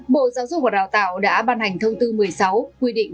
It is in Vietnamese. bộ giáo dục và đào tạo đã ban hành thông tư một mươi sáu quy định